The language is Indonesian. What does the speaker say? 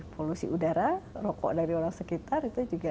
polusi udara rokok dari orang sekitar